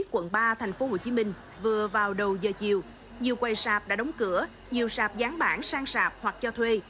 quận ba tp hcm vừa vào đầu giờ chiều nhiều quầy sạp đã đóng cửa nhiều sạp dán bản sang sạp hoặc cho thuê